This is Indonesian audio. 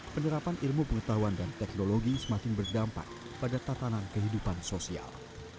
penerapan ilmu pengetahuan dan teknologi semakin berdampak pada tatanan kehidupan sosial